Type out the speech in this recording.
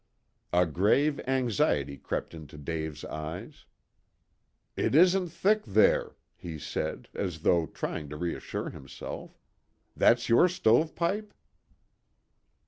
A grave anxiety crept into Dave's eyes. "It isn't thick there," he said, as though trying to reassure himself. "That's your stovepipe?"